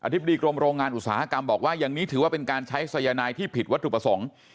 ธิบดีกรมโรงงานอุตสาหกรรมบอกว่าอย่างนี้ถือว่าเป็นการใช้สายนายที่ผิดวัตถุประสงค์